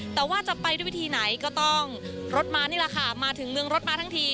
แต่ว่าจะไปด้วยวิธีไหนก็ต้องรถมานี่แหละค่ะมาถึงเมืองรถมาทั้งที